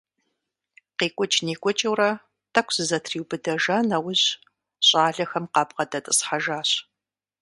КъикӀукӀ-никӀукӀыурэ тӀэкӀу зызэтриубыдэжа нэужь, щӀалэхэм къабгъэдэтӀысхьэжащ.